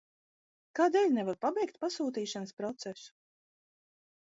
Kādēļ nevaru pabeigt pasūtīšanas procesu?